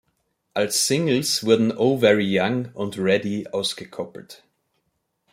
Als Singles wurden "Oh Very Young" und "Ready" ausgekoppelt.